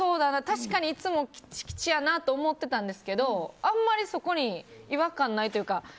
確かにいつもきちきちやなと思ってたんですけどあんまりそこに違和感ないというか。